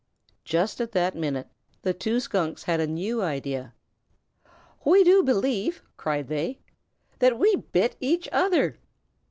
Just at that minute the two Skunks had a new idea. "We do believe," cried they, "that we bit each other!"